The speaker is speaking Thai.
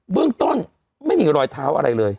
เรื่องต้นไม่มีรอยเท้าอะไรเลย